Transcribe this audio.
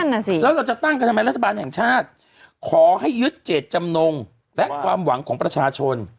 นั่นน่ะสิแล้วเราจะตั้งกันทำไมรัฐบาลแห่งชาติขอให้ยึดเจตจำนงและความหวังของประชาชน